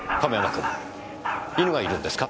君犬がいるんですか？